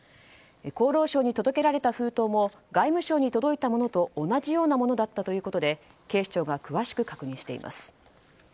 厚労省に届けられた封筒も外務省に届いたものと同じようなものだったということで警視庁が詳しく確認しています。